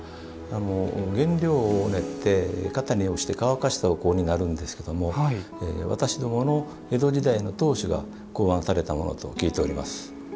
原料を煉って、型に押して乾かしたお香になるんですが私どもの江戸時代の当主が考案されたものと聞いております。